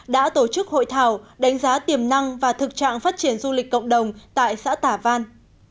đã tổ chức hội thảo đánh giá tiềm năng và thực trạng phát triển du lịch cộng đồng tại xã tả văn